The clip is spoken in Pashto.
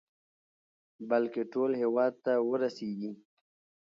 بلكې ټول هېواد ته ورسېږي.